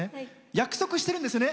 約束してるんですよね。